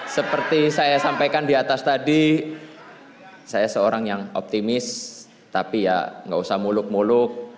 seperti saya sampaikan di atas tadi saya seorang yang optimis tapi ya nggak usah muluk muluk